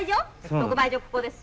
特売所ここです。